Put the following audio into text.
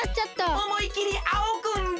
おもいきりあおぐんじゃ！